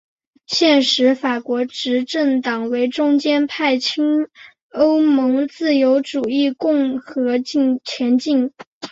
现时法国执政党为中间派亲欧盟自由主义共和前进！